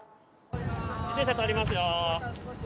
自転車通りますよ。